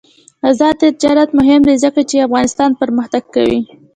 آزاد تجارت مهم دی ځکه چې افغانستان پرمختګ کوي.